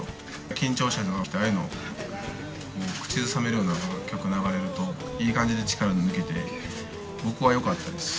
緊張したときに、ああいうの口ずさめるような曲が流れると、いい感じに力が抜けて、僕はよかったです。